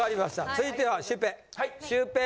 続いてはシュウペイ。